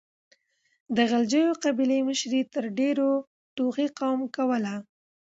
د غلجيو قبيلې مشري تر ډيرو توخي قوم کوله.